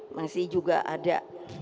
masih juga ada